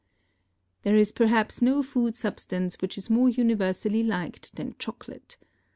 There is perhaps no food substance which is more universally liked than chocolate.